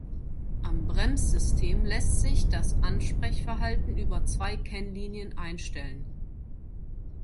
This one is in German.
Am Bremssystem lässt sich das Ansprechverhalten über zwei Kennlinien einstellen.